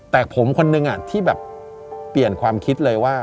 แต่ผมคนนึงที่แบบเปลี่ยนความคิดเลยว่า